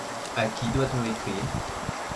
A qui doit-on écrire ?